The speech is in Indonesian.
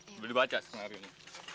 boleh dibaca semenar ini